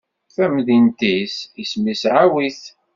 tamdint-is isem-is Ɛawit.